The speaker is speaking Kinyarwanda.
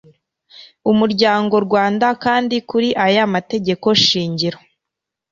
umuryango rwanda kandi kuri aya mategeko shingiro